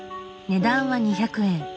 値段は２００円。